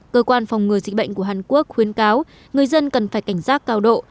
cơ quan phòng ngừa dịch bệnh của hàn quốc khuyến cáo người dân cần phải cảnh giác cao độ